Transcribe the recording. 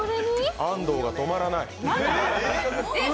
安藤が止まらない。